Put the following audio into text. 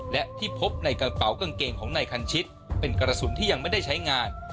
และที่พบในกระเป๋ากางเกงของนายคันชิตเป็นกระสุนที่ยังไม่ได้ใช้งาน